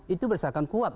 itu berserakan kuab